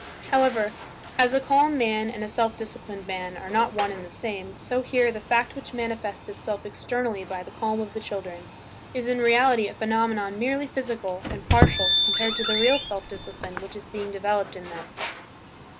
However, as a calm man and a self disciplined man are not one and the same, so here the fact which manifests itself externally by the calm of the children is in reality a phenomenon merely physical and partial compared to the real self discipline which is being developed in them.